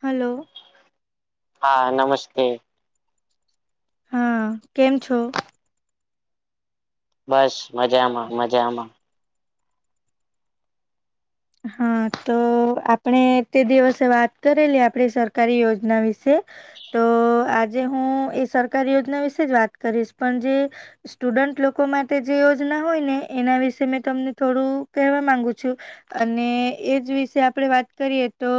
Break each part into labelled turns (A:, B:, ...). A: Hello!
B: હા નમસ્તે.
A: હા. કેમ છો?
B: બસ મજામાં મજામાં.
A: હા તો આપણે તે દિવસે વાત કરેલી આપડી સરકારી યોજના વિશે તો આજે હું એ સરકારી યોજના વિશે જ વાત કરીશ પણ જે સ્ટુડન્ટ લોકો માટે જે યોજના હોય ને એના વિશે મે તમને થોડુંક કહેવા માંગુ છું. અને એજ વિશે આપડે વાત કરીએ તો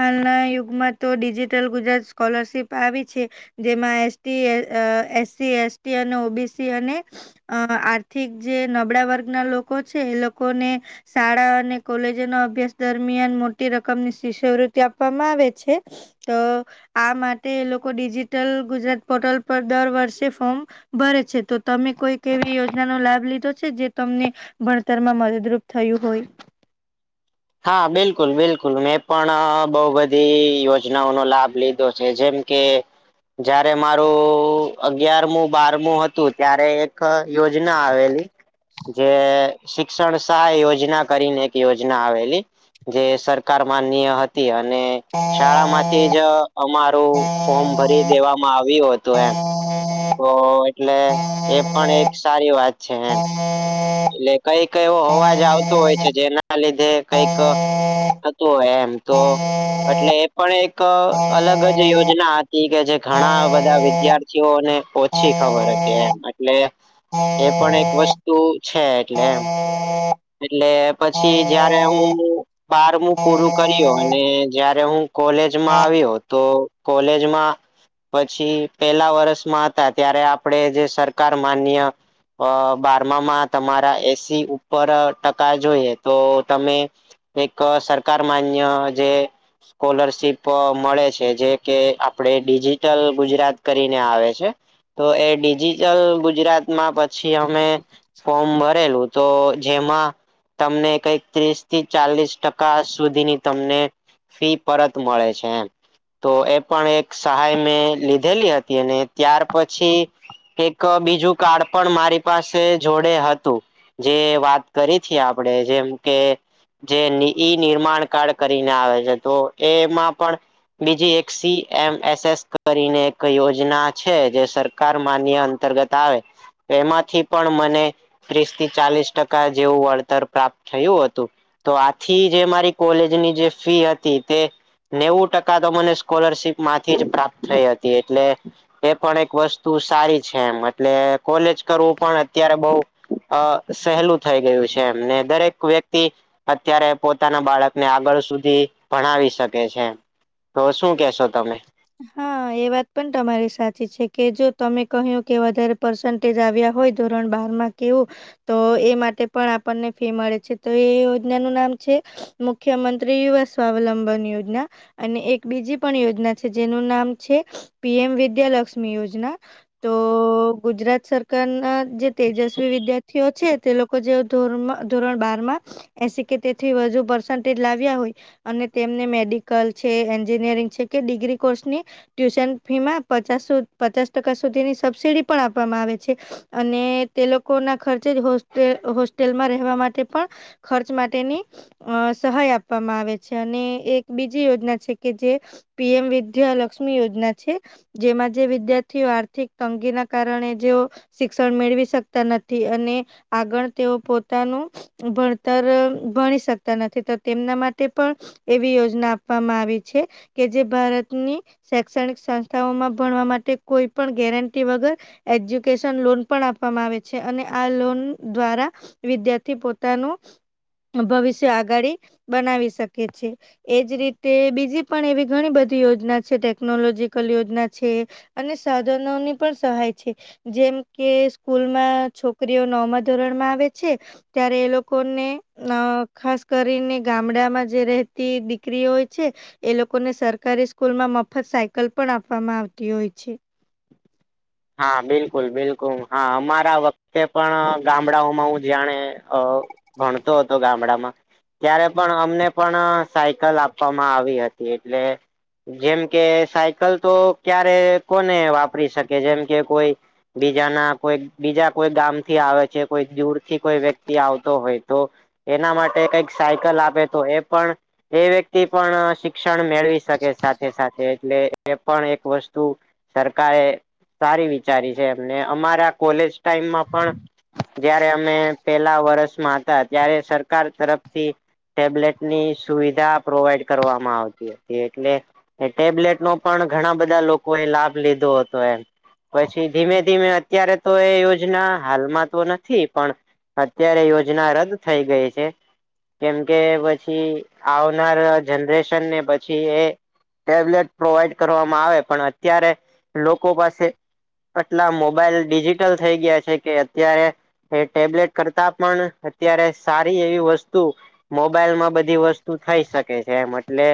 A: હાલના યુગમાં તો ડિજિટલ ગુજરાત સ્કોલરશિપ આવી છે. જેમાં એસ. ટી. અ એસ. C S. ટી અને ઓ. બી. સી અને અ આર્થિક જે નબળા વર્ગના લોકો છે એ લોકોને શાળા અને કોલેજોનો અભ્યાસ દરમિયાન મોટી રકમની શિષ્યવૃતી આપવામાં આવે છે તો આ માટે એ લોકો ડિજિટલ ગુજરાત પોર્ટલ પર દર વર્ષે ફોર્મ ભરે છે તો તમે કોઈક એવી યોજના નો લાભ લીધો છે જે તમને ભણતરમાં મદદરૂપ થયું હોય?
B: હા બિલકુલ બિલકુલ મેં પણ બોઉ બધી યોજનાઓનો લાભ લીધો છે, જેમ કે, જયારે મારું અગિયારમું બારમું હતું ત્યારે એક યોજના આવેલી. જે શિક્ષણ સહાય યોજના કરીને એક યોજના આવેલી. જે સરકાર માન્ય હતી, અને શાળામાંથી જ અમારું ફોર્મ ભરી દેવામાં આવ્યું હતું એમ. ઓ એટલે એ પણ એક સારી વાત છે એમ. એટલે કંઈક એવો અવાજ આવતો હોય છે જેના લીધે કઈક તો એમ તો એટલે એ પણ એક અલગ જ યોજના હતી કે જે ઘણા બધા વિદ્યાર્થીઓને ઓછી ખબર હ કે એમ એટલે, એ પણ એક વસ્તુ છે એટલે એમ.
A: હા [inaudible]
B: એટલે પછી જયારે હું બારમું પૂરું કર્યો અને જયારે હું કોલેજમાં આવ્યો તો કોલેજમાં પછી પેલા વર્ષમાં હતા ત્યારે આપણે જે સરકાર માન્ય અ બારમામાં તમારા એસી પર ટકા જોઈએ, તો તમે એક સરકાર માન્ય જે સ્કોલરશિપ મળે છે જે કે આપણે ડિજિટલ ગુજરાત કરીને આવે છે. તો એ ડિજિટલ ગુજરાતમાં પછી અમે ફોર્મ ભરેલું, તો જેમાં તમને કઈક ત્રીસ થી ચાલીસ ટકા સુધીની તમને ફી પરત મળે છે એમ. તો એ પણ એક સહાય મેં લીધેલી હતી અને ત્યાર પછી એક બીજું કાર્ડ પણ મારી પાસે જોડે હતું, જે વાત વાત કરી છે આપડણે જેમ કે જે ઈ નિર્માણ કળ કરીને આવે છે તો એમાં પણ- બીજી એક સી એમ એસ એસ કરીને એક યોજના છે જે સરકાર માન્ય અંતર્ગત એમાંથી પણ મને ત્રીસ થી ચાલીસ ટકા જેવું વળતર પ્રાપ્ત થયું હતું. તો આથી જે મારી કોલેજની જે ફી હતી તે નેવું ટકા તો મને સ્કોલરશીપ માંથી જ પ્રાપ્ત થઈ હતી એટલે એ પણ એક વસ્તુ સારી છે એમ એટલે કોલેજ કરવું પણ અત્યારે બઉ અ સહેલું થઈ ગયું છે એમને દરેક વ્યક્તિ. અત્યારે પોતાના બાળકને આગળ સુધી ભણાવી શકે છે. તો શું કેશો તમે?
A: હા. એ વાત પણ તમારી સાચી છે કે જો તમે કહ્યું કે વધારે પર્સન્ટેજ આવ્યા હોય ધોરણ બારમાં. કેવું, તો એ માટે પણ આપણને ફી મળે છે તો એ યોજના નું નામ છે. મુખ્યમંત્રી યવા સ્વાવલંબન યોજના. અને એક બીજી પણ યોજના છે જેનું નામ છે. પી એમ વિદ્યાલક્ષ્મી યોજના, તો ગુજરાત સરકારના જે તેજસ્વી વિદ્યાર્થીઓ છે તે લોકો જે ધોર ધોરણ બાર માં, એસી કે તેથી વધુ પરસેન્ટેજ લાવ્યા હોય, અને તેમને મેડિકલ છે એન્જિનિયરિંગ છે કે ડિગ્રી કોર્સની, ટ્યુશન ફી માં પચાસ સુ પચાસ ટકા સુધીની સબસિડી પણ આપવામાં આવે છે. અને તે લોકો ના ખર્ચે જ હોલ હોસ્ટેલમાં રહેવા માટે પણ, ખર્ચ માટેની, અ સહાય આપવામાં આવે છે, અને એક બીજી યોજના છે કે જે, પીએમ વિદ્યા લક્ષ્મી યોજના છે. જેમાં જે વિદ્યાર્થીઓ આર્થિક તંગીના કારણે જેઓ, શિક્ષણ મેળવી શકતા નથી અને આગળ તેઓ પોતાનું, ભણતર ભણી શકતા નથી તો તેમના માટે પણ, એવી યોજના આપવામાં આવી છે કે જે ભારતની, શૈક્ષણિક સંસ્થાઓમાં ભણવા માટે કોઈ પણ ગેરંટી વગર, એજ્યુકેશન લોન પણ આપવામાં આવે છે અને આ લોન દ્વારા, વિદ્યાર્થી પોતાનું, ભવિષ્ય આગાળી બનાવી શકે છે. એજ રીતે બીજી પણ એવી ઘણી બધી યોજના છે ટે ટેકનોલોજીકલ યોજના છે અને સાધનોની પણ સહાય છે. જેમ કે સ્કૂલમાં છોકરીઓ નોમા ધોરણમાં આવે છે. ત્યારે એ લોકો ને, અ ખાસ કરીને ગામડામાં જે રહેતી દીકરીઓ હોય છે. એ લોકોને સરકારી સ્કૂલમાં મફત સાયકલ પણ આપવામાં આવતી હોય છે.
B: હા બિલકુલ બિલકુલ હા અમારા વખતે પણ ગામડાઓમાં હુ જાણે અ ભણતો હતો ગામડામાં, ત્યારે પણ અમને પણ સાયકલ આપવામાં આવી હતી એટલે, જેમ કે સાયકલ તો ક્યારે કોને વાપરી શક કે જેમ કે કોઈ બીજા ના કોઈ બીજા કોઈ ગામ થી આવે છે કોઈક દૂર થી કોઈ વ્યક્તિ આવતો હોય તો, એના માટે કઈક સાયકલ આપે તો એ પણ એ વ્યક્તિ પણ શિ શિક્ષણ મેળવી શકે સાથે-સાથે એટલે એ પણ એક વસ્તુ સરકારે, સારી વિચારી છે, એમને અમારા કોલેજ ટાઈમમાં પણ, જયારે અમે પહેલા વર્ષમાં હતા ત્યારે સરકાર તરફથી, ટેબ્લેટ ની સુવિધા પ્રોવાઈડ કરવામાં આવતી હતી એટલે, એ ટેબ્લેટ નો પણ ઘણા બધા લોકો એ લાભ લીધો હત તો એમ પછી ધીમે-ધીમે અત્યારે તો એ યોજના હાલમાં તો નથી પણ, અત્યારે યોજના રદ થઈ ગઈ છે. કેમ કે પછી આવનાર જનરેશન ને પછી એ, ટેબ્લેટ પ્રોવાઈડ કરવામાં આવે પણ અત્યારે લોકો પાસે, આટલા મોબાઈલ ડિજિટલ થઈ ગયા છે કે અત્યારે, એ ટેબ્લેટ કરતા પણ અત્યારે સારી એવી વસ્તુ, મોબાઈલમાં બધી વસ્તુ થઈ શકે છે એમ એટલે,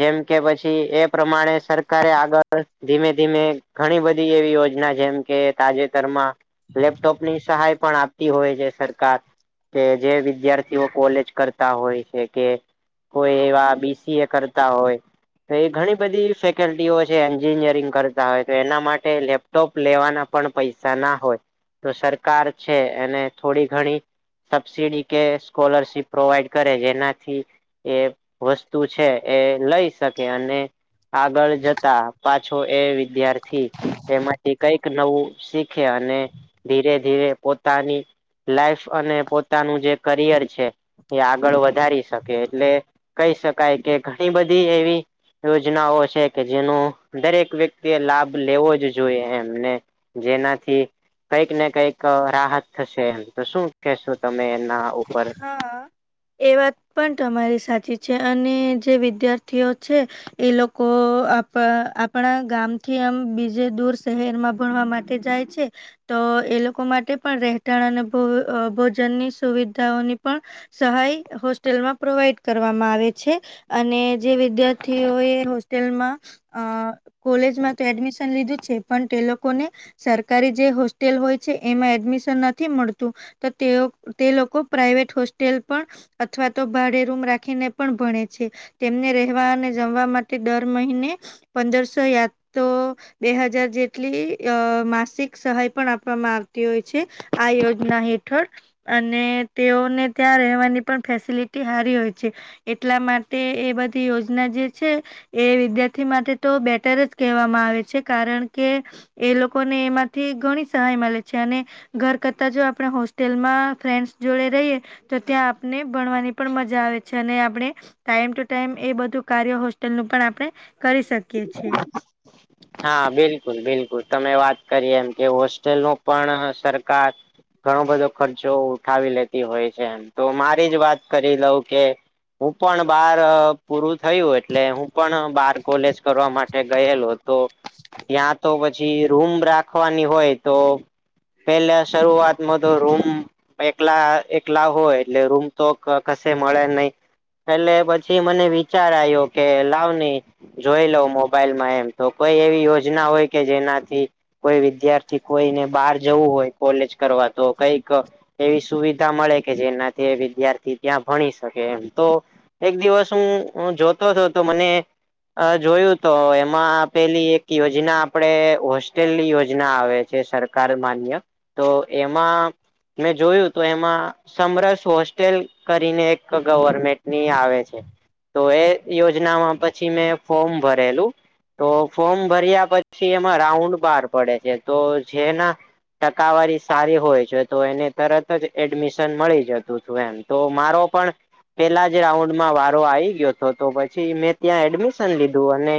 B: જેમ કે પછી એ પ્રમાણે સરકારે આગળ ધીમે, ધીમે ઘણી બધી એવી યોજના જેમ કે તાજેતરમાં, લેપટોપ ની સહાય પણ આપતી હોય છે સરકાર, કે જે વિદ્યાર્થીઓ કોલેજ કરતા હોય છે કે, કોઈ એવા બીસીએ કરતા હોય. તો એ ઘણી બધી ફેકલ્ટીઓ છે એન્જિનયરિંગ કરે હોય તો એના માટે લેપટોપ લેવાના પણ પૈસા ના હોય. તો સરકાર છે એને થોડી ઘણી. સબસીડી કે સ્કોલરશિપ પ્રોવાઈડ કરે જેનાથી એ વસ્તુ છે એ લઈ શકે અને આગળ જતા પાછો એ વિદ્યાર્થી, એમાંથી કઈક નવું શીખે અને ધીરે ધીરે પોતાની લાઈફ અને પોતાનું જે કરિયર છે, એ આગળ વધારી શકે એટલે કહી શકાય કે ઘણી બધી એવી, યોજનાઓ છે કે જેનું દરેક વ્યક્તિ લાભ લેવો જ જોઈએ એમને જેનાથી કંઈક ને કઈક રાહત થશે એમ તો શું કેશો તમે એના ઉપર
A: હા. એ વાત પણ તમારી સાચી છે અને જે વિદ્યાર્થીઓ છે. એ લોકો આપણા ગામથી એમ બીજે દૂર શહેરમાં ભણવા માટે જાય છે, તો એ લોકો માટે પણ રહેતાણ અને- જનની સુવિધાઓની પણ, સહાય હોસ્ટેલમાં પ્રોવાઈડ કરવામાં આવે છે. અને જે વિદ્યાર્થીઓ એ હોસ્ટેલમાં અ કોલેજમાં તો એડમિશન લીધું છે પણ તે લોકોને. સરકારી જે હોસ્ટેલ હોય છે એમાં એડમિશન નથી મળતું. તે તે લોકો પ્રાાઈવેટ હોસ્ટેલ પણ અથવા તો ભાડે રૂમ રાખીને પણ ભણે છે. તેમને રહેવા અને જમવા માટે દર મહિને, પંદરસો યાત્ર બે હજાર જેટલી અ માસિક સહાય પણ આપવામાં આવતી હોય છે, આ યોજના હેઠ હઠળ અને તેઓને ત્યાં રહેવાની પણ ફેસિલિટી સારી હોય છે. એટલા માટે એ બધી યોજના જે છે. એ વિદ્યાર્થી માટે તો બેટર જ કહેવામાં આવે છે કારણ કે એ લોકોને એમાંથી ઘણી સહાય મળે છે અને, ઘર કરતા જો આપણે હો તેલમાં ફ્રેન્ડ્સ જોડે રહીએ, તો ત્યાં આપને ભણવાની પણ મજા આવે છે અને આપણે. ટાઈમ ટુ ટાઈમ એ બધું કાર્ય હોસ્ટેલ નું પણ આપણે કરી શકીએ છીએ.
B: બિલકલ બિલકુલ તમે વાત કરી એમ કે હોસ્ટેલ ન પણ સરકાર ઘણો બધો ખર્ચો ઉઠાવી લેતી હોય છે એમ તો મારી જ વાત કરી લઉં કે હું પણ બાર પૂરું થયું એટલે હું પણ બાર કોલેજ કરવા માટે ગયેલો તો. ત્યાં તો પછી રૂમ રાખવાની હોય તો પેલા શરૂઆતમાં તો રૂમ એકલા એકલા હોય એટલે રૂમ તો કશે મળે નહી. એટલે પછી મને વિચાર આવ્યો કે લાવ નઈ. જોઈ લઉ મોબાઈલ માં એમ તો કોઈ એવી યોજના હોય કે જેનાથી કોઈ વિદ્યાર્થી કોઈને બહાર જવું હોય કોલેજ કરવા તો કઈક એવી સુવિધા મળે કે જેનાથી વિદ્યાર્થી ત્યાં ભણી શકે એમ તો. એક દિવસ હું જોતો હતો તો મને અ જોયું તો એમાં પેલી એક યોજના આપડે હોસ્ટેલની યોજના આવે છે, સર માન્ય, તો એમાં મેં જોયું તો એમાં સમરસ હોસ્ટેલ કરીને, એક ગવર્મેન્ટની આવે છે. તો એ યોજનામાં પછી મેં ફોર્મ ભરેલું. તો ફોર્મ ભર્યા, પછી એમાં રાઉન્ડ બાર પડે છે, તો જેના ટકાવારી સારી હોય છે, તો એને તરત જ એડમિશન મળી જતું હતું એમ. તો મારો પણ પેલા જ રાઉન્ડમાં વારો આવી ગયો હતો, તો પછી મેં ત્યાં એડમિસ લીધું અને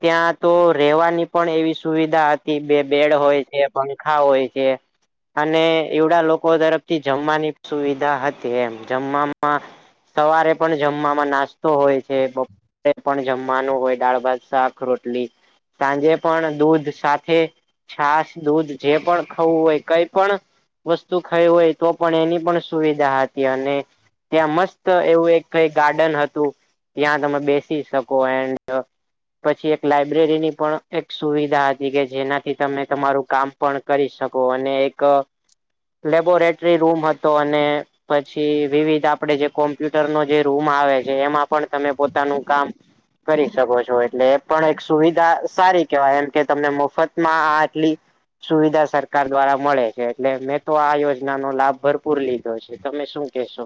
B: ત્યાં તો રહેવાની પણ એવી સુવિધા હતી બે બેડ હોય છે, પંખા હોય છે. અને એવડા લોકો તરફથી જમવાની સુવિધા હતી, એમ જમવામાં. સવારે પણ જમવામાં નાસ્તો હોય છે, બપોરે પણ જમવાનું હોય, દાળ-ભાત, શાક-રોટલી સાંજે પણ દૂધ સાથે છાસ-દૂધ જે પણ ખાવુ હોય, કઈ પણ. વસ્તુ ખાઈ હોય તો, પણ એની પણ સુવિધા હતી, અને ત્યાં મસ્ત એવું એક ક ગાર્ડન હતું, ત્યાં તમે બેસી શકો. એ પછી એક લાયબ્રેરી ની પણ એક સુવિધા હતી કે, જેનાથી તમે તમારું કામ પણ કરી શકો, અને એક લેબોરેટરી રૂમ હતો, અને પછી વિવિધ આપડે જે કોમ્પ્યુટરનો જે રૂમ આવે છે, એમાં પણ તમે પોતાનું કામ કરી શકો છો, એટલે પણ એક સુવિધા સારી કેવાય, એમ કે તમને મફતમાં આ આટલી સુવિધા સરકાર દ્વારા મળે છે, એટલે મેં તો આ યોજના નો લાભ ભરપૂર લીધું. તમે શું કેશો?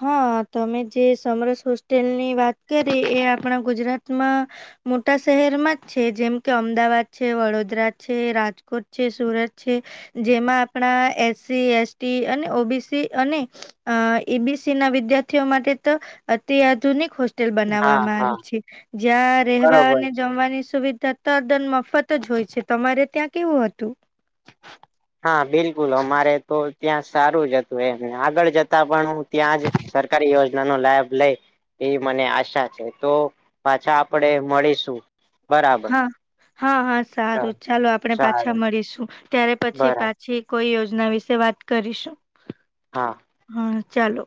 A: હા, તમે જે સમરસ હોસ્ટેલની વાત કરી એ, આપણા ગુજરાતમાં મોટા શહેરમાં જ છે, જેમ કે અમદાવાદ છે, વડોદરા છે, રાજકોટ છે, સુરત છે. જેમાં આપણા એસસી, એસટી અને ઓબીસી અને એબીસી ના વિદ્યાર્થીઓ માટે તો, અતિ આધુનિક હો. હોલ
B: હા
A: બનાવવામાં
B: હા
A: આવી છે, જ્યાં રહેવા
B: બરોબર
A: અને જમવાની સુવિધા તત્તાદન મફત જ હોય છે, તમારે ત્યાં કેવું હતું.
B: હા, બિલકુલ, અમારે તો ત્યાં સારું જ હતું, એમ આગળ જ પણ હું ત્યાં જ સરકારી યોજના નો લાભ લઈ એવી મને આશા છે, તો પાછા આપણેે મળીશું. બરાબર
A: હા, હા, હા, સારું ચાલો, આપણેે પાછા
B: સારું
A: મળીશું, ત્યારે પછી
B: બરાબર
A: પા જી કોઈ યોજના વિશે વાત કરીશું?
B: હા.
A: હા, ચાલો.